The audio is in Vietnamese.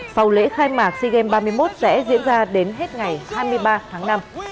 sau lễ khai mạc sea games ba mươi một sẽ diễn ra đến hết ngày hai mươi ba tháng năm